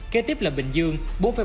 kế tiếp là bình dương bốn bảy